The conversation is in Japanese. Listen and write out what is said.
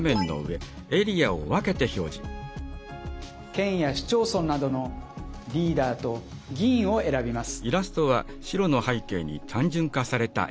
県や市町村などのリーダーと議員を選びます。